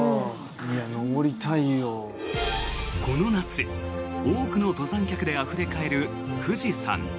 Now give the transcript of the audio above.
この夏、多くの登山客であふれ返る富士山。